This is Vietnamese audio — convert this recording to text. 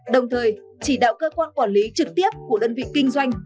đồng thời chỉ đạo cơ quan quản lý trực tiếp của đơn vị kinh doanh